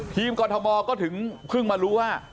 พีมกรทมก็ถึงพึ่งมารู้ว่า